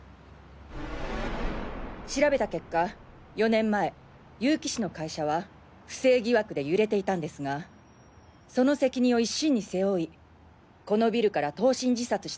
調べた結果４年前結城氏の会社は不正疑惑で揺れていたんですがその責任を一身に背負いこのビルから投身自殺した女性がいたようです。